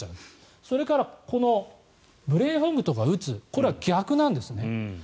それからブレインフォグとうつこれは逆なんですね。